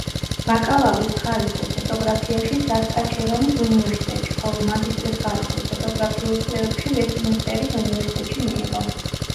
ბაკალავრის ხარისხი ფოტოგრაფიაში სასკაჩევანის უნივერსიტეტში, ხოლო მაგისტრის ხარისხი ფოტოგრაფიულ კვლევებში ვესტმინსტერის უნივერსიტეტში მიიღო.